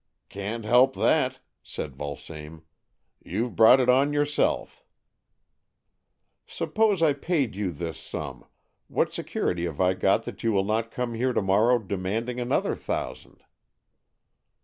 " Can't help that," said Vulsame. " You've brought it on yourself." " Suppose I paid you this sum, what security have I got that you will not come here to morrow demanding another thou sand?